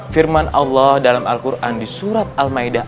firman allah dalam al quran di surat al maida